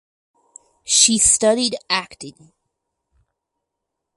She studied acting.